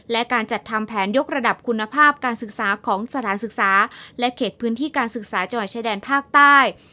และการจัดทำแผนยกระดับคุณภาพการศึกษาของสถานศึกษาและเขตพื้นที่การศึกษาจังหวัดชายแดนภาคใต้